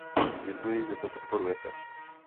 Děkuji, že to podporujete.